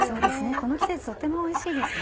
この季節とってもおいしいですね。